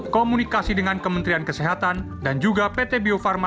komunikasi dengan kementerian kesehatan dan juga pt bio farma